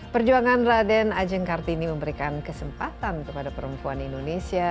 perjuangan raden ajeng kartini memberikan kesempatan kepada perempuan indonesia